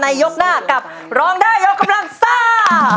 ยกหน้ากับร้องได้ยกกำลังซ่า